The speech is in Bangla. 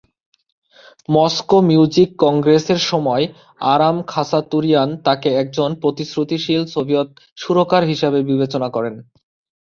মস্কো মিউজিক কংগ্রেসের সময় আরাম খাচাতুরিয়ান তাকে একজন প্রতিশ্রুতিশীল সোভিয়েত সুরকার হিসেবে বিবেচনা করেন।